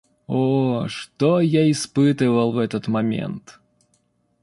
О! что я испытывал в этот момент!